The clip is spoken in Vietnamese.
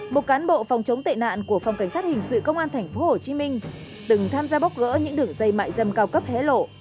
một cán bộ phòng chống tệ nạn của phòng cảnh sát hình sự công an tp hcm từng tham gia bóc gỡ những đường dây mại dâm cao cấp hé lộ